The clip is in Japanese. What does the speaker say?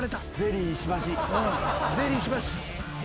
ゼリー石橋。